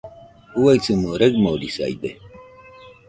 Uaisimo raɨmorisaide